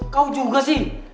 kau juga sih